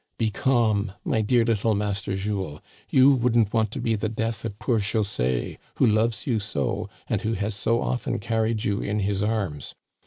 Be calm, my dear lit tle Master Jules, you wouldn't want to be the death of poor José, who loves you so, and who has so often car ried you in his arms.